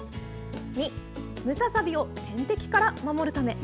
２、ムササビを天敵から守るため。